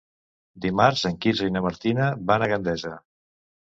Dimarts en Quirze i na Martina van a Gandesa.